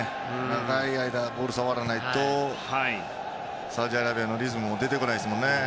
長い間、ボールを触らないとサウジアラビアのリズムも出てこないですね。